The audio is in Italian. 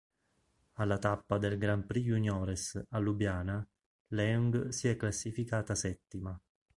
Alla tappa del Grand Prix juniores a Lubiana, Leung si è classificata settima.